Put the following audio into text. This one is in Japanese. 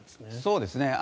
そうですね。